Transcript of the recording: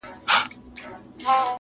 بخښنه د زړه آرامښت راولي.